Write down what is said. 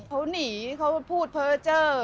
เขาหนีเขาพูดเผลอเจอ